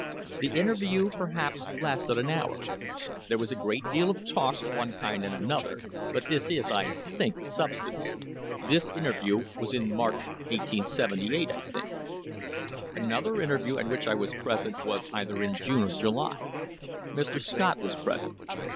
The interview perhaps lasted an hour. There was a great deal of talk of one kind and another, but this is, I think, the substance. This interview was in March, 1878, 1 think. " Another interview at which I was present was either in June or July. Mr. Scott was present.